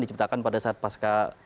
diciptakan pada saat pasca